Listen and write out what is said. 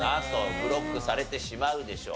ブロックされてしまうでしょう。